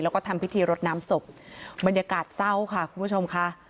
แล้วก็ทำพิธีรดน้ำศพบรรยากาศเศร้าค่ะคุณผู้ชมค่ะ